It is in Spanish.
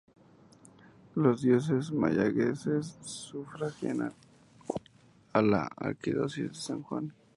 La Diócesis de Mayagüez es sufragánea de la Arquidiócesis de San Juan.